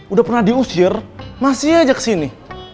udah pernah diusir masih aja kesini